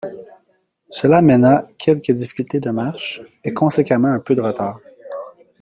Cela amena quelques difficultés de marche, et conséquemment un peu de retard.